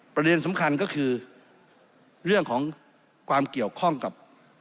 ประเด็นสำคัญก็คือเรื่องของความเกี่ยวข้องกับ